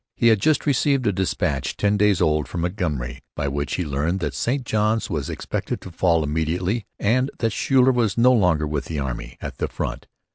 He had just received a dispatch ten days old from Montgomery by which he learned that St Johns was expected to fall immediately and that Schuyler was no longer with the army at the front.